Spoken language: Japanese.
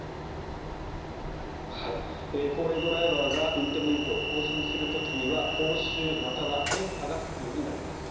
高齢ドライバーが運転免許を更新する時には講習または検査が必要になります。